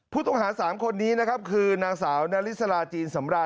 ผู้ต้องหา๓คนนี้นะครับคือนางสาวนาริสลาจีนสำราญ